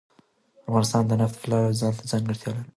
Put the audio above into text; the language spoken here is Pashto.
افغانستان د نفت د پلوه ځانته ځانګړتیا لري.